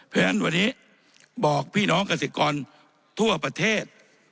เพราะฉะนั้นวันนี้บอกพี่น้องเกษตรกรทั่วประเทศ